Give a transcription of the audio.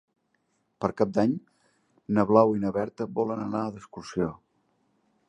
Per Cap d'Any na Blau i na Berta volen anar d'excursió.